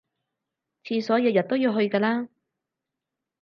廁所日日都要去㗎啦